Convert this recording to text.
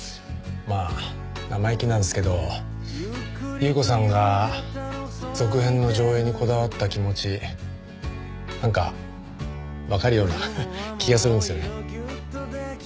まあ生意気なんですけど祐子さんが続編の上映にこだわった気持ちなんかわかるような気がするんですよね。